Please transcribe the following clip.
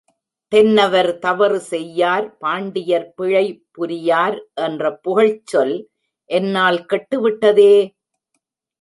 தென்னவர் தவறு செய்யார் பாண்டியர் பிழை புரியார் என்ற புகழ்ச்சொல் என்னால் கெட்டுவிட்டதே!